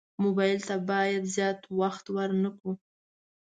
موبایل ته باید زیات وخت ورنه کړو.